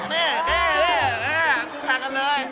คู่แข่งกันเลย